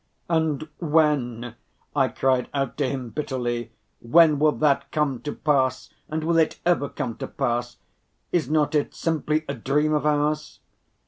"And when," I cried out to him bitterly, "when will that come to pass? and will it ever come to pass? Is not it simply a dream of ours?"